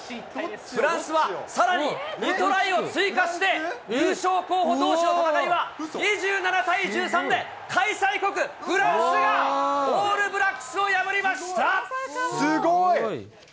フランスはさらに２トライを追加して、優勝候補どうしの戦いは２７対１３で、開催国、フランスがオーすごい！